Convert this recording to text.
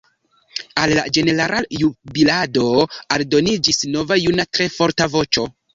Al la ĝenerala jubilado aldoniĝis nova juna tre forta voĉo.